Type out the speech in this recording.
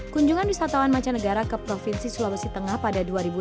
kunjungan wisatawan macanegara ke provinsi sulawesi tengah pada dua ribu enam belas